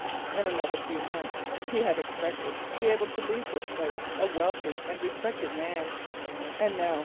In another few months he had expected to be able to leave this place a wealthy and respected man—and now?